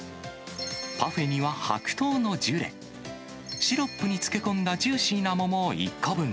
パフェには白桃のジュレ、シロップに漬け込んだジューシーな桃を１個分。